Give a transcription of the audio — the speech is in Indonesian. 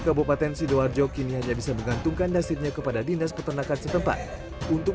kabupaten sidoarjo kini hanya bisa menggantungkan dasirnya kepada dinas peternakan setempat untuk